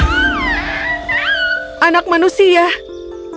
ayah serigala mengambil ancang ancang untuk menangkapnya